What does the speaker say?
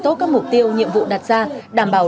tốt các mục tiêu nhiệm vụ đặt ra đảm bảo